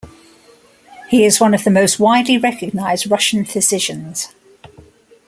He is one of the most widely recognized Russian physicians.